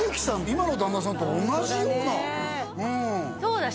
今の旦那さんと同じようなうんそうだ